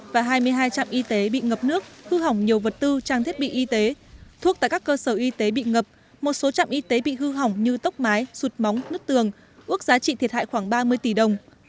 và hai mươi hai trạm y tế bị ngập nước hư hỏng nhiều vật tư trang thiết bị y tế thuốc tại các cơ sở y tế bị ngập một số trạm y tế bị hư hỏng như tốc mái sụt móng nứt tường ước giá trị thiệt hại khoảng ba mươi tỷ đồng